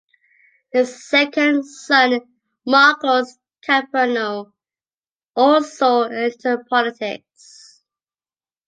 His second son, Markos Kyprianou, also entered politics.